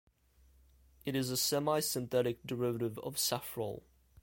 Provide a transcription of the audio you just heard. It is a semisynthetic derivative of safrole.